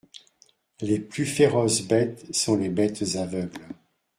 Les plus féroces bêtes sont les bêtes aveugles.